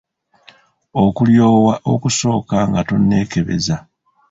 Okulyowa okusooka nga tonneekebeza.